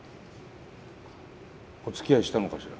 おつきあいしたのかしら？